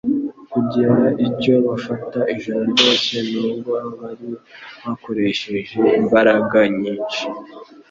kugira icyo bafata ijoro ryose n'ubwo bari bakoresheje imbaraga nyinshi.